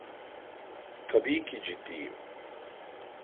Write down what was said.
Tabii ki ciddiyim.